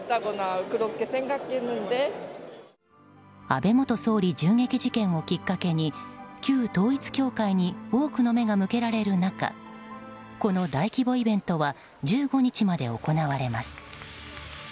安倍元総理銃撃事件をきっかけに旧統一教会に多くの目が向けられる中この大規模イベントは１５日まで行われます。